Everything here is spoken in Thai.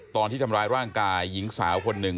ตอนที่ทำร้ายร่างกายหญิงสาวคนหนึ่ง